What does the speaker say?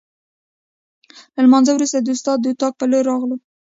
له لمانځه وروسته د استاد د اتاق په لور راغلو.